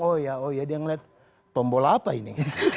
oh ya oh ya dia ngeliat tombol apa ini